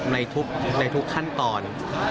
ในทุกขั้นตอน